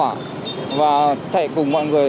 và chạy cùng mọi người chạy cùng mọi người